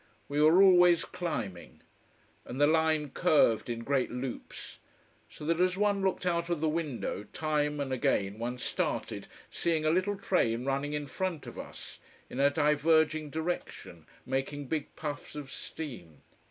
We were always climbing. And the line curved in great loops. So that as one looked out of the window, time and again one started, seeing a little train running in front of us, in a diverging direction, making big puffs of steam.